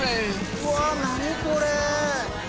うわ何これ！？